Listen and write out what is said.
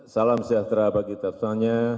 salam sejahtera bagi tetesannya